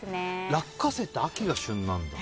落花生って秋が旬なんだ。